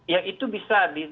ya itu bisa